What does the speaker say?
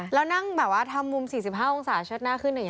แล้วนั่งแบบว่าทำมุม๔๕องศาเชิดหน้าขึ้นอย่างนี้